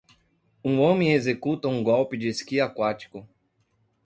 Um homem executa um golpe de esqui aquático.